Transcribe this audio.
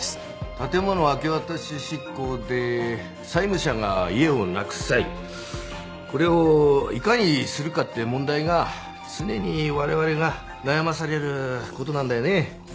建物明け渡し執行で債務者が家をなくす際これをいかにするかっていう問題が常に我々が悩まされる事なんだよね。